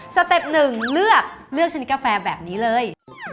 สเต็ปหนึ่งเลือกเลือกชนิดกาแฟแบบนี้เลย